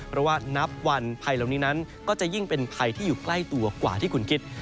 เพราะว่านับวันภัยเหล่านี้นั้นก็จะยิ่งเป็นภัยที่อยู่ใกล้ตัวกว่าที่คุณคิด